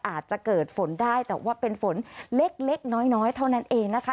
อาจจะเกิดฝนได้แต่ว่าเป็นฝนเล็กน้อยเท่านั้นเองนะคะ